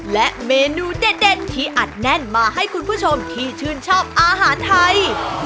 และเมนูเด็ดที่อัดแน่นมาให้คุณผู้ชมที่ชื่นชอบอาหารไทย